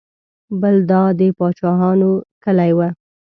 بل دا د پاچاهانو کلی و.